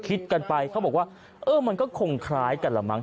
คิดกันไปเขาบอกว่าเออมันก็คงคล้ายกันละมั้